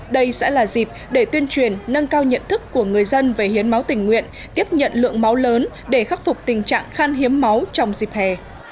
đây sẽ là dịp để tuyên truyền nâng cao nhận thức của người dân về hiến máu tình nguyện tiếp nhận lượng máu lớn để khắc phục tình trạng khan hiếm máu trong dịp hè